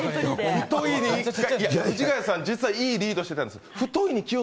藤ヶ谷さん、実はいいリードしていたんですよ。